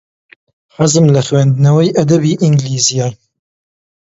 حەزم لە خوێندنەوەی ئەدەبی ئینگلیزییە.